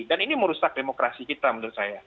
dan ini merusak demokrasi kita menurut saya